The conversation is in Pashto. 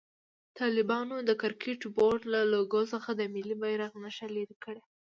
طالبانو د کرکټ بورډ له لوګو څخه د ملي بيرغ نښه لېري کړه.